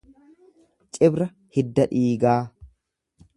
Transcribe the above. Cibra hidda dhiigaa.